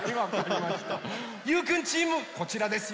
ゆうくんチームこちらですよ！